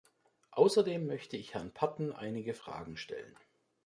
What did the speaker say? Außerdem möchte ich Herrn Patten einige Fragen stellen.